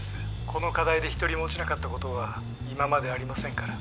この課題で一人も落ちなかったことは今までありませんから。